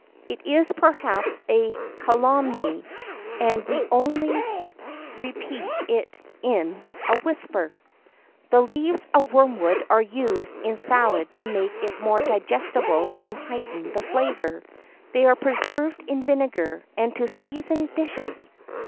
It is, perhaps, a calumny, and we only repeat it in a whisper. "The leaves of wormwood are used in salad to make it more digestible and heighten the flavour. They are preserved in vinegar, and to season dishes.